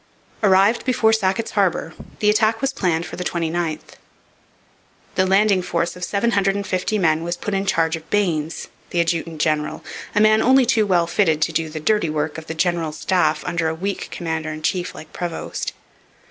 Arrived before Sackett's Harbour, the attack was planned for the 29th. The landing force of seven hundred and fifty men was put in charge of Baynes, the adjutant general, a man only too well fitted to do the 'dirty work' of the general staff under a weak commander in chief like Prevost.